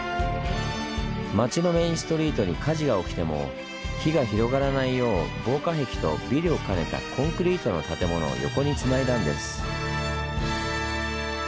町のメインストリートに火事が起きても火が広がらないよう防火壁とビルを兼ねたコンクリートの建物を横につないだんです。